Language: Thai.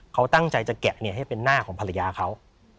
เขาตั้งใจจะแกะให้เป็นหน้าของภรรยาเขา